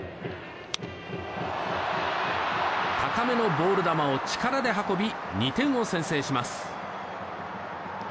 高めのボール球を力で運び２点を先制します。